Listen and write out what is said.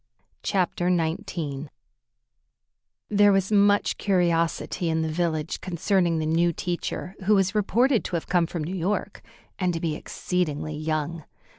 CHAPTER XIX There was much curiosity in the village concerning the new teacher, who was reported to have come from New York, and to be exceedingly young.